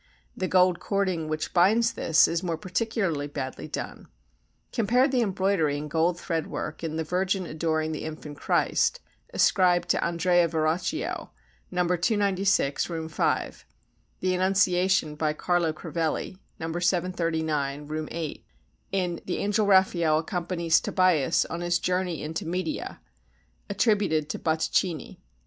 The gold cording which binds this is more particularly badly done. Compare the embroidery and gold thread work in "The Virgin adoring the Infant Christ," ascribed to Andrea Verrocchio, No. 296, Room V; "The Annunciation" by Carlo Crivelli, No. 739, Room VIII; in "The Angel Raphael accompanies Tobias on his Journey into Media" attributed to Botticini, No.